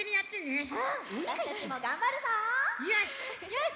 よし！